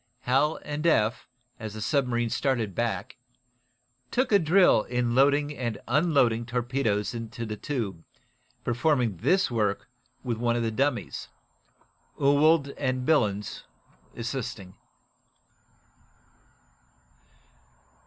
Hal and Eph, as the submarine started back, took a drill in loading and unloading torpedoes into the tube, performing this work with one of the dummies, Ewald and Billens assisting.